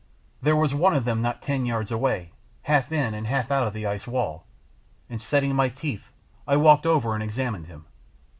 There was one of them not ten yards away half in and half out of the ice wall, and setting my teeth I walked over and examined him.